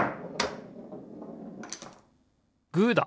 グーだ！